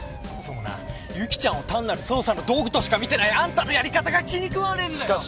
そもそもな由岐ちゃんを単なる捜査の道具としか見てないあんたのやり方が気にくわねえんだよ！